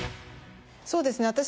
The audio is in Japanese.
そうですね。